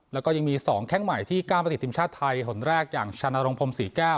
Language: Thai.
แล้วก็ยังมี๒แค่งใหม่ที่กล้ามประติธิมชาติไทยหลวนแรกอย่างชาณะรงพรม๔๙